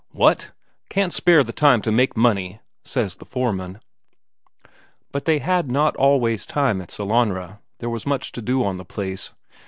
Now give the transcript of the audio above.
"What? Can't spare the time to make money!" says the foreman. But they had not always time at Sellanraa, there was much to do on the place.